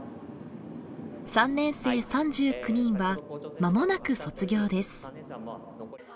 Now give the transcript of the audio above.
３年生３９人はまもなく卒業です。